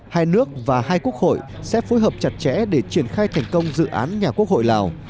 hai nước và hai quốc hội sẽ phối hợp chặt chẽ để triển khai thành công dự án nhà quốc hội lào